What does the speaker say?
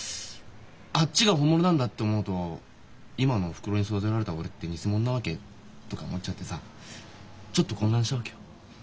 あっちが本物なんだって思うと「今のおふくろに育てられた俺って偽物なわけ？」とか思っちゃってさちょっと混乱したわけよ。